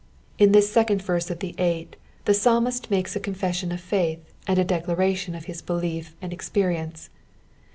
In this second verse of this eight the Psalmist makes a confession of faith, and a declaration of his belief and experience.